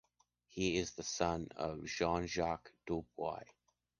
He is the son of Jean-Jacques Duboys.